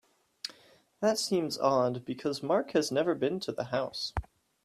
That seems odd because Mark has never been to the house.